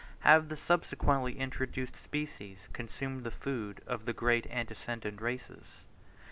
Have the subsequently introduced species consumed the food of the great antecedent races?